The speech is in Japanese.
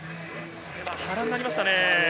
波乱がありましたね。